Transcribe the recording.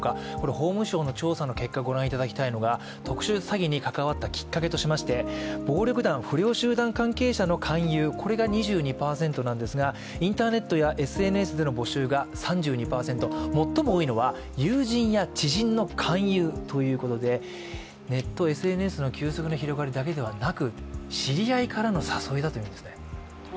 法務省の調査の結果ご覧いただきたいのが特殊詐欺に関わったきっかけとしまして暴力団・不良集団関係者の勧誘、これが２２％なんですが、インターネットやＳＮＳでの募集が３２％、最も多いのは友人や知人の勧誘ということでネット・ＳＮＳの急速な広がりだけではなく知り合いからの誘いだというんですね。